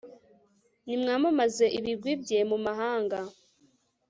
nimwamamaze ibigwi bye mu mahanga